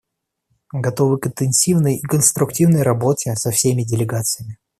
Готовы к интенсивной и конструктивной работе со всеми делегациями.